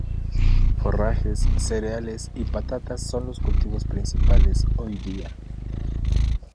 Forrajes, cereales y patatas son los cultivos principales, hoy día.